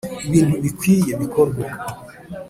Ibintu bikwiye bikorwe.